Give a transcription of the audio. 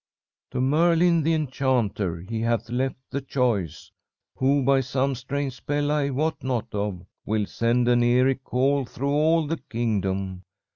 _" "'To Merlin, the enchanter, he hath left the choice, who by some strange spell I wot not of will send an eerie call through all the kingdom.